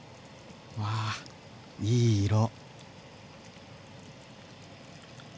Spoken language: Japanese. わあいい色。